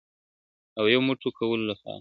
او یو موټی کولو لپاره ..